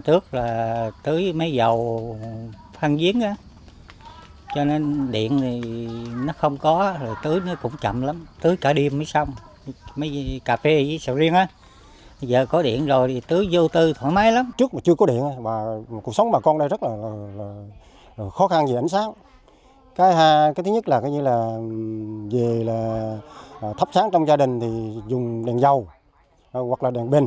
trong gia đình thì dùng đèn dầu hoặc là đèn bình bình sạc